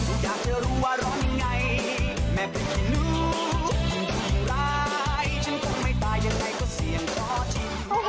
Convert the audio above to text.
ฉันต้องทำร้ายฉันจะไม่ตายอย่างไรก็เสียเจ้าทิ้ง